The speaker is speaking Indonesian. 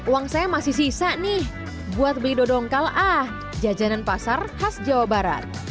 uang saya masih sisa nih buat beli dodongkal a jajanan pasar khas jawa barat